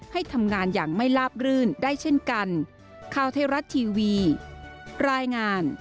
ให้ทำงานอย่างไม่ลาบรื่นได้เช่นกัน